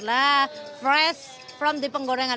nah fresh from di penggorengan